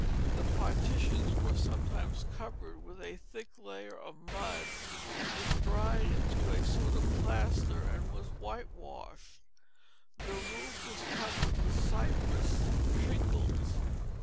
The partitions were sometimes covered with a thick layer of mud which dried into a sort of plaster and was whitewashed. The roofs were covered with cypress shingles.